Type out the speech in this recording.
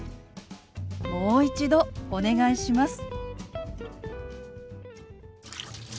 「もう一度お願いします」。